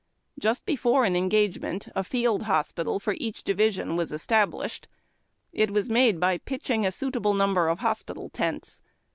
Just before an engagement, a field hospital for each division was established. It was made by pitching a suitable numljer of hospital tents.